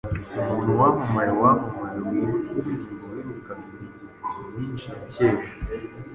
umuntu wamamaye wamamaye wibuka indirimbowibukaga imigenzo myinshi ya kera